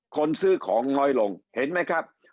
คนซื้อของน้อยลงเห็นไหมครับ